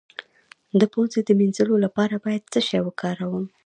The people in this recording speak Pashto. د پوزې د مینځلو لپاره باید څه شی وکاروم؟